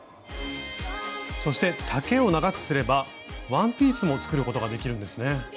そして丈を長くすればワンピースも作ることができるんですね。